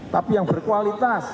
tapi yang berkualitas